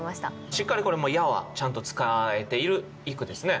しっかりこれも「や」はちゃんと使えているいい句ですね。